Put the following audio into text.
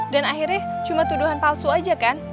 dan akhirnya cuma tuduhan palsu aja kan